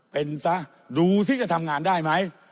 เป็นซะดูสิจะทำงานได้ไหม